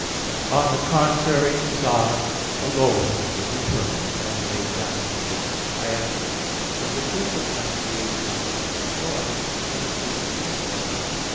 On the contrary, God alone is eternal, as laid down before (Q. 10, Art. 3). I answer that, The truth of enunciations is no other than the truth of the intellect.